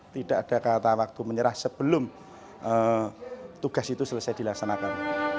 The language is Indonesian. tidak ada kata waktu menyerah sebelum tugas itu selesai dilaksanakan